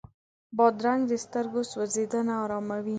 بادرنګ د سترګو سوځېدنه اراموي.